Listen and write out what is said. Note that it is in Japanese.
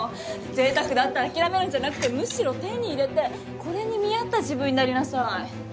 ぜいたくだと諦めるんじゃなくてむしろ手に入れてこれに見合った自分になりなさい。